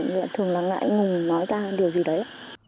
thì thường là ngại ngùng nói ra điều gì đấy